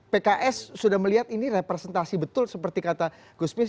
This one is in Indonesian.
pks sudah melihat ini representasi betul seperti kata gusmis